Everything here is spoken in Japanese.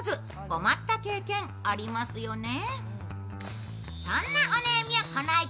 困った経験ありますよね？